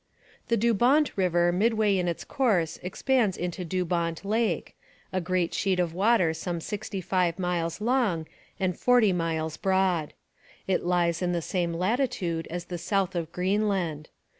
The Dubawnt river midway in its course expands into Dubawnt Lake, a great sheet of water some sixty five miles long and forty miles broad. It lies in the same latitude as the south of Greenland.